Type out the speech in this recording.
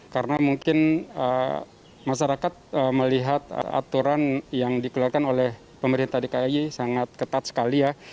karena mungkin masyarakat melihat aturan yang dikeluarkan oleh pemerintah di kayi sangat ketat sekali ya